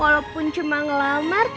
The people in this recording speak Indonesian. walaupun cuma ngelamar